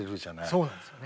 そうなんですよね。